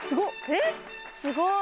えっすごい！